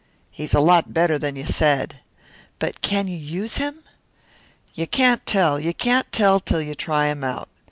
"He's a lot better than you said." "But can you use him?" "You can't tell. You can't tell till you try him out.